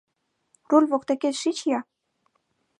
— Руль воктекет шич-я...